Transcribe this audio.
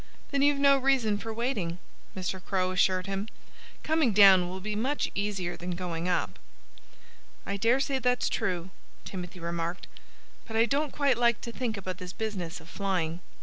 "Then you've no reason for waiting," Mr. Crow assured him. "Coming down will be much easier than going up." "I dare say that's true," Timothy remarked. "But I don't quite like to think about this business of flying."